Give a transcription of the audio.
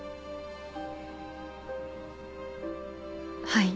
はい。